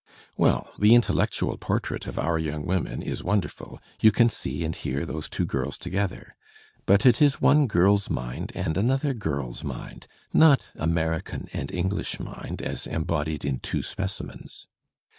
Well, the intellectual portrait of "our young women" is wonderful; you can see and hear those two girls together. But it is one girl's mind and another girl's mind, not Amer ican and English mind as embodied in two specimens.